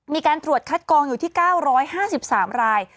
มีการตรวจคัดกองอยู่ที่๙๕๓ราย